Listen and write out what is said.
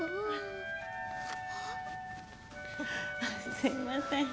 すみません。